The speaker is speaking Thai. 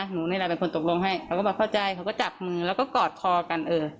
หนูนี่แหละเป็นคนตกลงให้เขาก็มาเข้าใจเขาก็จับมือแล้วก็กอดคอกันเออ